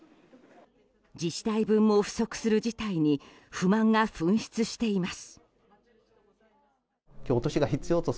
自治体分も不足する事態に不満が噴出しています。